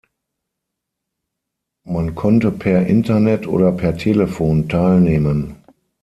Man konnte per Internet oder per Telefon teilnehmen.